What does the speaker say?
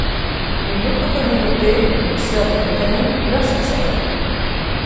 Une autre communauté, les sœurs de Béthanie, leur succèdent.